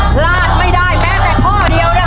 พลาดไม่ได้แม้แต่ข้อเดียวนะ